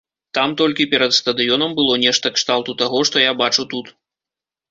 Там толькі перад стадыёнам было нешта кшталту таго, што я бачу тут.